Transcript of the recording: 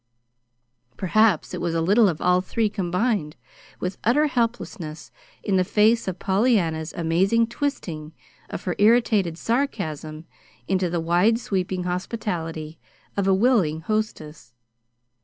Perhaps it was a little of all three combined with utter helplessness in the face of Pollyanna's amazing twisting of her irritated sarcasm into the wide sweeping hospitality of a willing hostess.